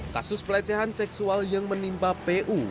kasus pelecehan seksual yang menimpa pu